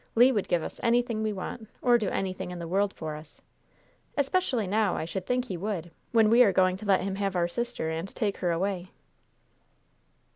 Le would give us anything we want, or do anything in the world for us. Especially now I should think he would, when we are going to let him have our sister and take her away."